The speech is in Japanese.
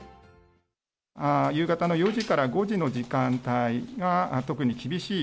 夕方の４時から５時の時間帯が、特に厳しい。